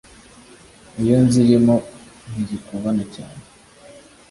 Iyo nzirimo ntizikubana cyane